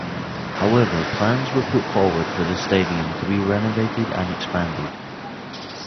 However, plans were put forward for the stadium to be renovated and expanded.